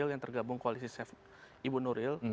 yang tergabung koalisi chef ibu nuril